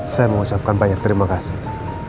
saya mengucapkan banyak terima kasih